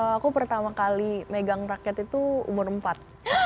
aku pertama kali megang rakyat itu umur empat